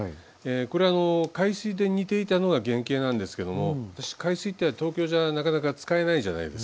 これは海水で煮ていたのが原形なんですけども海水って東京じゃなかなか使えないじゃないですか。